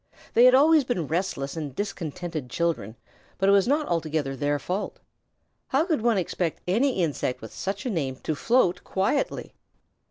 They had always been restless and discontented children, but it was not altogether their fault. How could one expect any insect with such a name to float quietly?